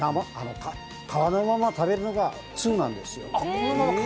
皮のまま食べるのが通なんですよ。